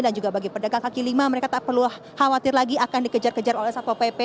dan juga bagi pedagang kaki lima mereka tak perlu khawatir lagi akan dikejar kejar oleh sapo pp